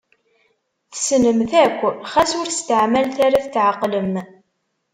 Tessnem-t akk xas ur steɛmalet ara tetɛeqlem